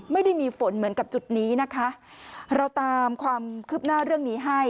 ไม่มีฝนเหมือนกับจุดนี้นะคะเราตามความคืบหน้าเรื่องนี้ให้